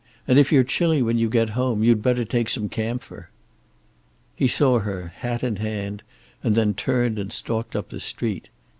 And if you're chilly when you get home, you'd better take some camphor." He saw her in, hat in hand, and then turned and stalked up the street.